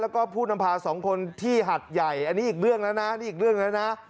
แล้วก็ผู้นำพาสองคนที่หัดใหญ่อันนี้อีกเรื่องแล้วนะนี่อีกเรื่องแล้วนะ